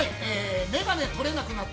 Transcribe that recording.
◆眼鏡取れなくなった。